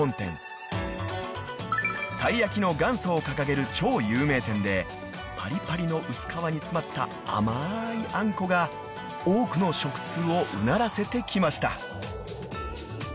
［たい焼きの元祖を掲げる超有名店でパリパリの薄皮に詰まった甘いあんこが多くの食通をうならせてきました］